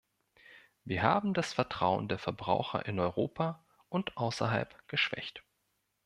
Wir haben das Vertrauen der Verbraucher in Europa und außerhalb geschwächt.